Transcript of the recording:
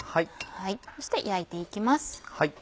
そして焼いて行きます。